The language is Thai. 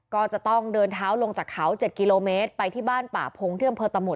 ก็จะต้องเดินเท้าลงจากเขา๗กิโลเมตรไปที่บ้านป่าพงที่อำเภอตะหมด